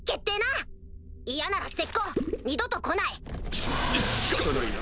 ししかたないな。